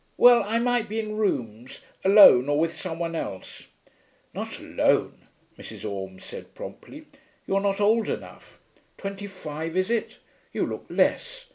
Well, I might be in rooms alone or with some one else.' 'Not alone,' Mrs. Orme said promptly. 'You're not old enough. Twenty five, is it? You look less.